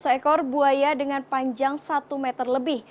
seekor buaya dengan panjang satu meter lebih